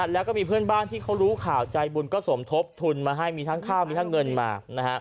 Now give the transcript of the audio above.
แล้วก็มีเพื่อนบ้านที่เขารู้ข่าวใจบุญก็สมทบทุนมาให้มีทั้งข้าวมีทั้งเงินมา